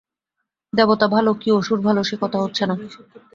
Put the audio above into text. দেবতা ভাল, কি অসুর ভাল, সে কথা হচ্ছে না।